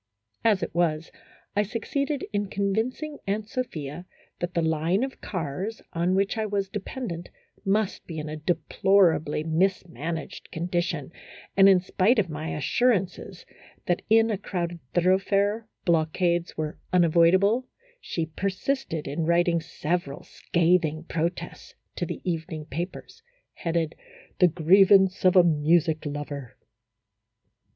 As it was, I succeeded in con vincing Aunt Sophia that the line of cars on which I was dependent must be in a deplorably misman aged condition, and, in spite of my assurances that in a crowded thoroughfare blockades were unavoidable, she persisted in writing several scathing protests to the evening papers, headed :" The Grievance of a Music Lover.